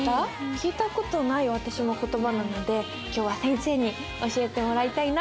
聞いた事ない私も言葉なので今日は先生に教えてもらいたいなと思います！